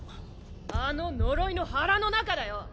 あの呪いの腹の中だよ。